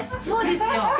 そうですよ。